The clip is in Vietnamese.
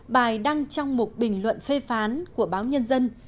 bài đăng trong một bình luận phê phán của báo nhân dân